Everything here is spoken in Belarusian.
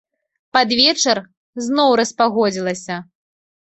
Пад вечар зноў распагодзілася.